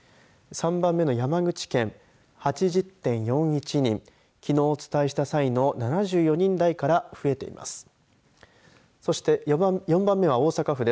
３番目の山口県８０．４１人きのうお伝えした際の７４人台から増えています。